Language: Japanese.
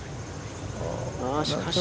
しかし。